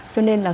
cho nên là